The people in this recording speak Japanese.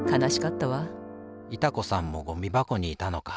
いた子さんもゴミばこにいたのか。